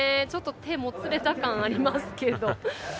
ちょっと手もつれた感ありますけど。